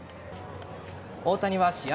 大谷は試合